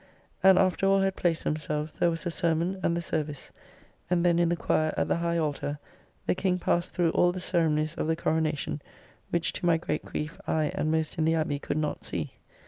And after all had placed themselves, there was a sermon and the service; and then in the Quire at the high altar, the King passed through all the ceremonies of the Coronacon, which to my great grief I and most in the Abbey could not see.